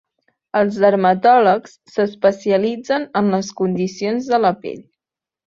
Els dermatòlegs s'especialitzen en les condicions de la pell.